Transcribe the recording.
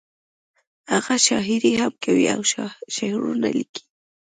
هغه شاعري هم کوي او شعرونه ليکي